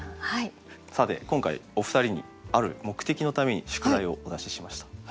さて今回お二人にある目的のために宿題をお出ししました。